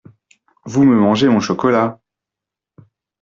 Vous me mangez mon chocolat !